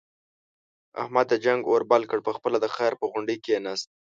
احمد د جنگ اور بل کړ، په خپله د خیر په غونډۍ کېناست.